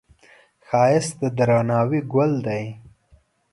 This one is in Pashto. ښایست د درناوي ګل دی